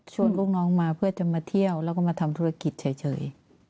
ลูกน้องมาเพื่อจะมาเที่ยวแล้วก็มาทำธุรกิจเฉย